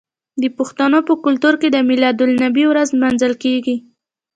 د پښتنو په کلتور کې د میلاد النبي ورځ لمانځل کیږي.